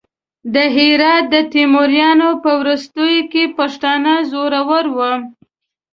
د هرات د تیموریانو په وروستیو کې پښتانه زورور وو.